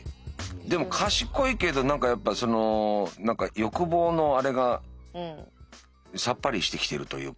でも賢いけど何かやっぱその何か欲望のあれがさっぱりしてきてるというか。